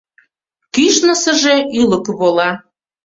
Кӱшнысыжӧ ӱлыкӧ вола.